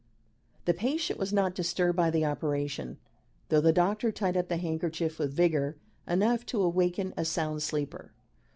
The patient was not disturbed by the operation, though the doctor tied up the handkerchief with vigour enough to awaken a sound sleeper.